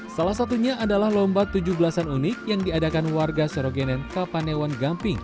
salah satunya adalah lomba tujuh belasan unik yang diadakan warga sorogenen kapanewon gamping